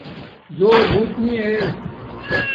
زݸر بݸت نی ار